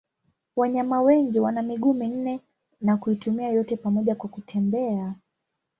Wanyama wengi wana miguu minne na kuitumia yote pamoja kwa kutembea.